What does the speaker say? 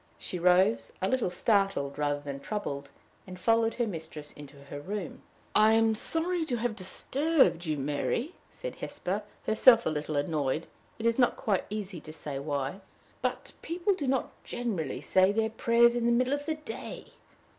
She rose, a little startled rather than troubled, and followed her mistress into her room. "I am sorry to have disturbed you, Mary," said Hesper, herself a little annoyed, it is not quite easy to say why; "but people do not generally say their prayers in the middle of the day."